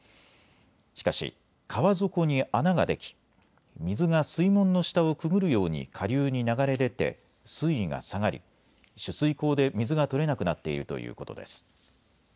しかし川底に穴ができ水が水門の下をくぐるように下流に流れ出て水位が下がり、取水口で水が取れなくなっているということです。